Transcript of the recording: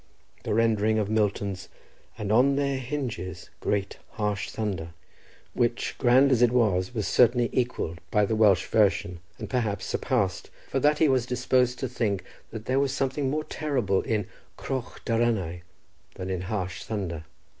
The rendering of Milton's "And on their hinges grate Harsh thunder," which, grand as it was, was certainly equalled by the Welsh version, and perhaps surpassed, for that he was disposed to think that there was something more terrible in "croch daranau" than in "harsh thunder."